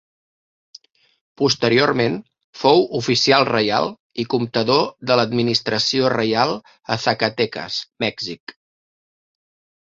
Posteriorment fou oficial reial i comptador de l'administració reial a Zacatecas, Mèxic.